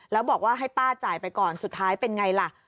แล้วบอกว่าให้ป้าจ่ายไปก่อนสุดท้ายเป็นไงล่ะ